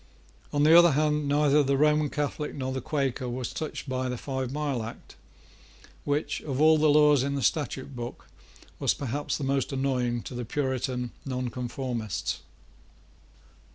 On the other hand, neither the Roman Catholic nor the Quaker was touched by the Five Mile Act, which, of all the laws in the Statute Book, was perhaps the most annoying to the Puritan Nonconformists.